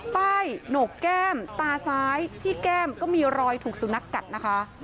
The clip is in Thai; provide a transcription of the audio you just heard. โหนกแก้มตาซ้ายที่แก้มก็มีรอยถูกสุนัขกัดนะคะ